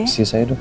di sisi saya dok